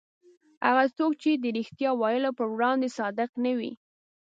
هغه څوک چې د رښتیا ویلو په وړاندې صادق نه وي.